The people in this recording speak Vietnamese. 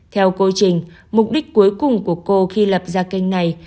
theo cô trình mục đích cuối cùng của cô khi lập ra kênh này